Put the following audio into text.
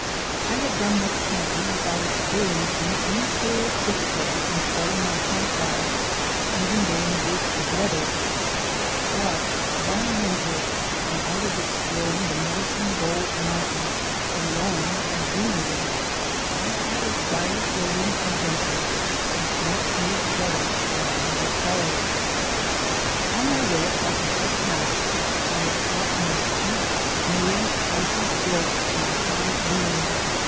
I had done much camping without experiencing any serious difficulty in starting my camp fire, even during the worst of weather. But one winter, when I was exploring the Medicine Bow Moun tains — alone, as usual — I had a fire building adven ture which makes me shudder when I recall it. On my way across a high pass I was caught on a steep, smooth, icy slope in a high wind.